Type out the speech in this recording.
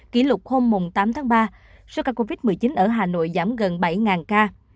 kỷ lục hôm tám tháng ba số ca covid một mươi chín ở hà nội giảm gần bảy ca